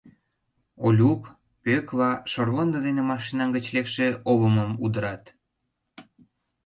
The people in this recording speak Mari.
Олюк, Пӧкла шорвондо дене машина гыч лекше олымым удырат.